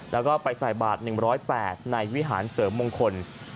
แล้วก็ไปใส่บาท๑๐๘ในวิหารเสริมมงคล